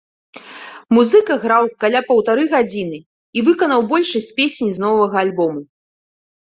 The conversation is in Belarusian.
Музыка граў каля паўтары гадзіны і выканаў большасць песень з новага альбому.